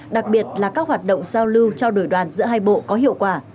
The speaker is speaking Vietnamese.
đặc biệt là các hoạt động giao lưu trao đổi đoàn giữa hai bộ có hiệu quả